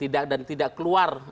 dan tidak keluar